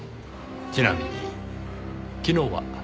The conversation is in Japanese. ちなみに昨日は？